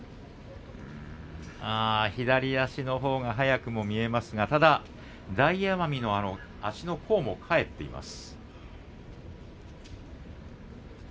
ああ左足のほうが早くも見えますが大奄美の足の甲も返っています。